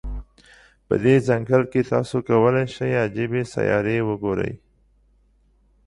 په دې ځنګل کې، تاسو کولای شی عجيبې سیارې وګوری.